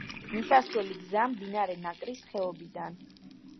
მისასვლელი გზა მდინარე ნაკრის ხეობიდან.